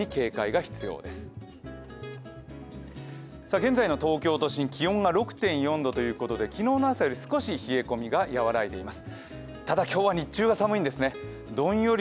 現在の東京都心気温が６．４度ということで昨日の朝より少し冷え込みが和らいでいます。